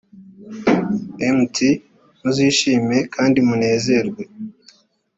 mt muzishime kandi munezerwe